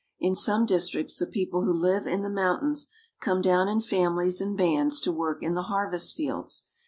In some districts the people who live in the moun tains come down in families and bands to work in the har vest fields.